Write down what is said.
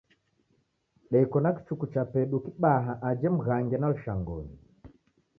Deko na kichuku chapedu kibaha aja Mghange na Lushangonyi.